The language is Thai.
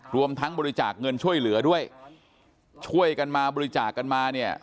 รวมทั้งบริจาคเงินช่วยเหลือด้วยช่วยกันมาบริจาคกันมาเนี่ย